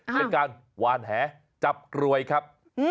เป็นการวานแหจับกรวยครับ